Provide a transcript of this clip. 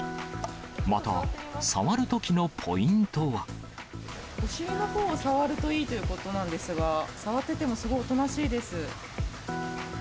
また、お尻のほうを触るといいということなんですが、触っててもすごいおとなしいです。